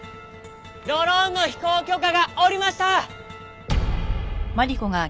ドローンの飛行許可が下りました！